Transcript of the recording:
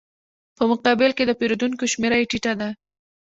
په مقابل کې د پېرودونکو شمېره یې ټیټه ده